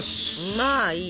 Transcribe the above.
まあいい！